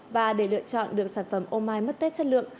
và để lựa chọn được sản phẩm ômai mất tết chất lượng